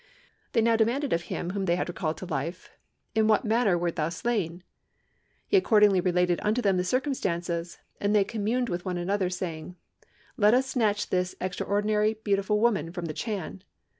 "They now demanded of him whom they had recalled to life, 'In what manner wert thou slain?' He accordingly related unto them the circumstances; and they communed one with another, saying, 'Let us snatch this extraordinary beautiful woman from the Chan!'